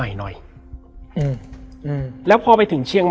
แล้วสักครั้งหนึ่งเขารู้สึกอึดอัดที่หน้าอก